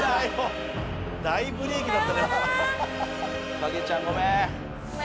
影ちゃんごめん！